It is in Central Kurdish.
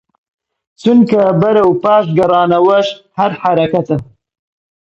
چونکە بەرەو پاش گەڕانەوەش هەر حەرەکەتە